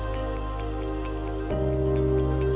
tim liputan kompas tv